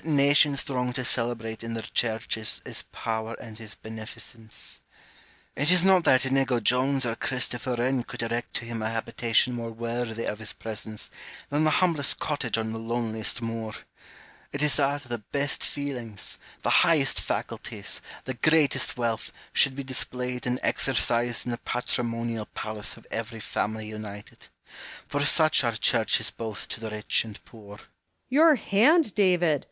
nations throng to celebrate in their churches his power and his beneficence; it is not that Inigo Jones or Christopher Wren could erect to him a habitation more worthy of his presence than the humblest cottage on the loneliest moor : it is that the best feelings, the highest faculties, the greatest wealth, should be displayed and exercised in the patrimonial palace of every family united. For such are churches both to the rich and poor. Home. Your hand, David